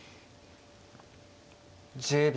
１０秒。